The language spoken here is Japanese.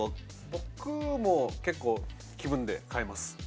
僕も気分で変えます。